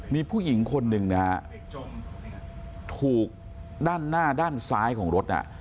มีผู้หญิงคนหนึ่งนะฮะถูกด้านหน้าด้านซ้ายของรถน่ะ